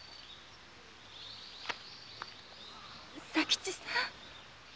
左吉さん。